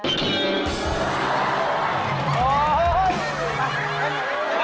โอ้โฮโอ้โฮ